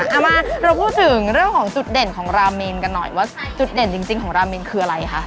เอามาเราพูดถึงเรื่องของจุดเด่นของราเมนกันหน่อยว่าจุดเด่นจริงของราเมนคืออะไรคะ